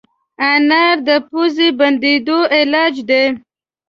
انار د پوزې بندېدو علاج دی.